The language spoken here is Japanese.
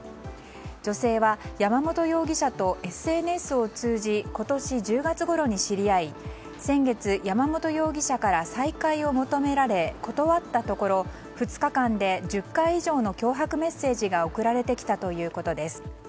女性は山本容疑者とＳＮＳを通じ今年１０月ごろに知り合い先月、山本容疑者から再会を求められ断ったところ２日間で１０回以上の脅迫メッセージが送られてきたということです。